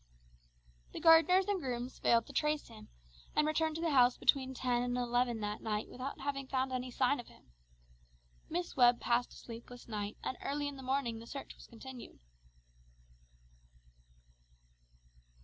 The gardeners and grooms failed to trace him, and returned to the house between ten and eleven that night without having found any sign of him. Miss Webb passed a sleepless night, and early in the morning the search was continued.